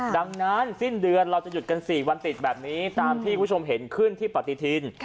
ดังนั้นสิ้นเดือนเราจะหยุดกัน๔วันติดแบบนี้ตามที่คุณผู้ชมเห็นขึ้นที่ปฏิทิน